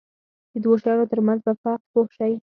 د دوو شیانو ترمنځ په فرق پوه شي.